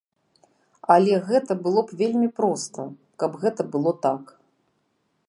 Але гэта было б вельмі проста, каб гэта было так.